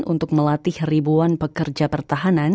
untuk melatih ribuan pekerja pertahanan